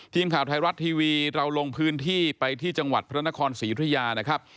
ทีมข่าวไทยรัฐทีวีเราลงพื้นที่ไปที่จังหวัดพระนครศรียุธยานะครับ